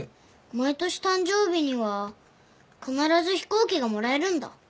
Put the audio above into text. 毎年誕生日には必ず飛行機がもらえるんだ。